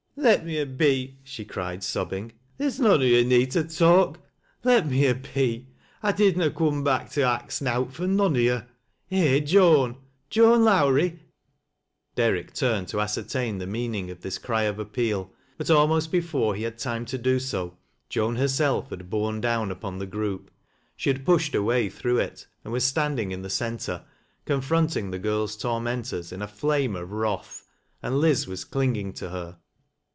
" Let me a be :" she cried, sobbing. " There's none of yo' need to talk. Let me a be ! I didna coom back to ax nowt fro' none on you ! Eh Joan ! Joan Lowrie ?" Derrick turned to ascertain the meaning of this cry ol appeal, but almost before he had time to do so, Joan herself had borne down upon the group ; she had pushed her way through it, and was standing in the centre, confroiating the girl's tormentors in a flame of wrath, and Liz was elioging to her.